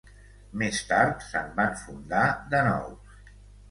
Més tard se'n van fundar de nous.